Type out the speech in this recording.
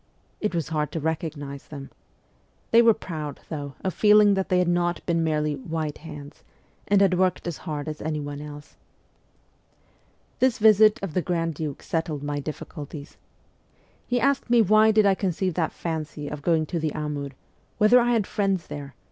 It was hard to recognise them. They were proud, though, of feeling that they had not been merely ' white hands,' and had worked as hard as anyone else. This visit of the grand duke settled my difficulties. He asked me why did I conceive that fancy of going to the Amur whether I had friends there